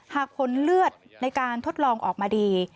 หากผลเลือดในการทดลองออกมาดี